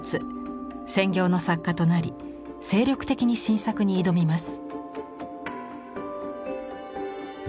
専業の作家となり精力的に新作に挑みます。